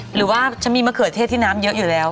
หรือว่าฉันมีมะเขือเทศที่น้ำเยอะอยู่แล้ว